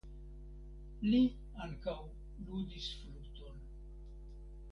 Li ankaŭ ludis fluton.